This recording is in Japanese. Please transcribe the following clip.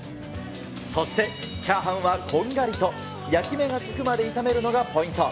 そして、炒飯はこんがりと焼き目がつくまで炒めるのがポイント。